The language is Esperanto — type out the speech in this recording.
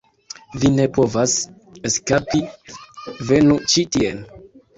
Vi ne povas eskapi, venu ĉi tien!